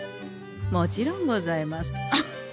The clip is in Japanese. もちろんございます。